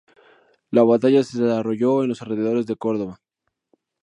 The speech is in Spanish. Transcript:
La Batalla se desarrolló en los alrededores de Córdoba.